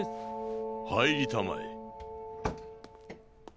入りたまえ。